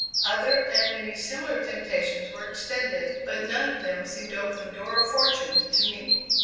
Other and many similar temptations were extended, but none of them seemed to open the door of fortune to me.